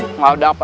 enggak ada apa